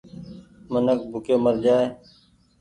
منک ڀوڪي مرجآئي ۔